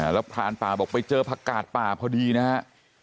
แล้วพรานป่าบอกไปเจอผักกาดป่าพอดีนะฮะ